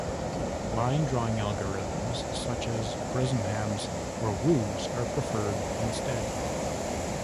Line drawing algorithms such as Bresenham's or Wu's are preferred instead.